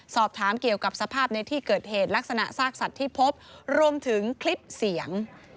สอบถามเกี่ยวกับสภาพในที่เกิดเหตุลักษณะซากสัตว์ที่พบรวมถึงคลิปเสียง